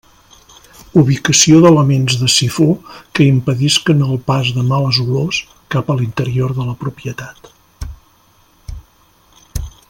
Ubicació d'elements de sifó que impedisquen el pas de males olors cap a l'interior de la propietat.